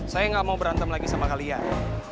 saya nggak mau berantem lagi sama kalian